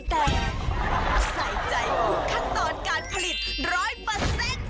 แต่ใส่ใจถึงขั้นตอนการผลิตร้อยเปอร์เซ็นต์